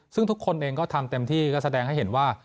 ซึ่งทุกคนเองก็ทำเต็มที่ก็แสดงให้เห็นว่า